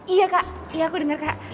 iya kak iya aku denger kak